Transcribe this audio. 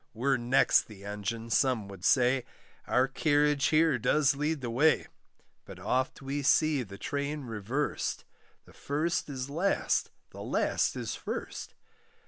We're next the engine, some would say, Our carriage here does lead the way; But oft we see the train reversed The first is last, the last is first.